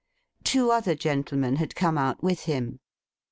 Two other gentlemen had come out with him.